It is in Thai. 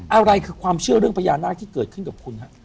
อะไรคือความเชื่อเรื่องพญานาคที่เกิดขึ้นกับคุณฮะ